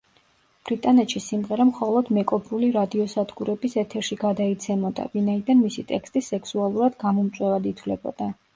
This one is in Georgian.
ბრიტანეთში სიმღერა მხოლოდ მეკობრული რადიოსადგურების ეთერში გადაიცემოდა, ვინაიდან მისი ტექსტი სექსუალურად გამომწვევად ითვლებოდა.